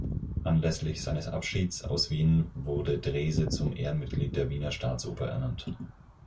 Anlässlich seines Abschieds aus Wien wurde Drese zum Ehrenmitglied der Wiener Staatsoper ernannt.